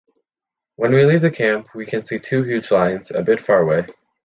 When we leave the camp, we can see two huge lions a bit far away.